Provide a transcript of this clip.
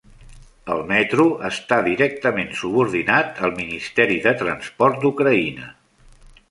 El metro està directament subordinat al Ministeri de Transport d'Ucraïna.